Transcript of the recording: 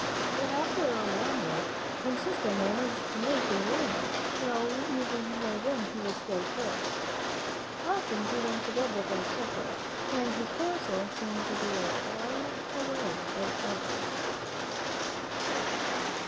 Yet, after a while, Francisco managed to make a little money, though even then he was still poor. Often he went to bed without supper, and his castle seemed to be as far away as ever.